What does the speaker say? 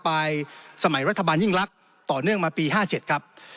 สมัยรัฐบาลยิ่งลักษณ์ต่อเนื่องมาปี๕๗ครับ